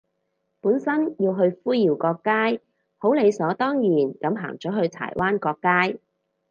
本身要去灰窰角街，好理所當然噉行咗去柴灣角街